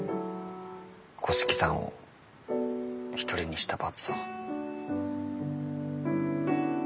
五色さんを一人にした罰を。